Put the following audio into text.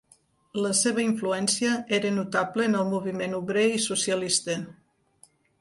La seva influència era notable en el moviment obrer i socialista.